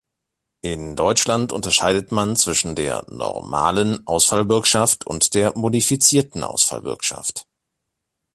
In Deutschland unterscheidet man zwischen der „normalen“ Ausfallbürgschaft und der "modifizierten Ausfallbürgschaft".